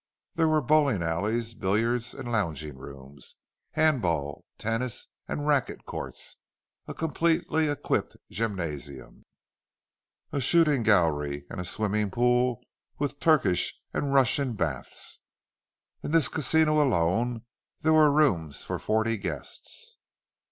There were bowling alleys, billiard and lounging rooms, hand ball, tennis and racket courts, a completely equipped gymnasium, a shooting gallery, and a swimming pool with Turkish and Russian baths. In this casino alone there were rooms for forty guests.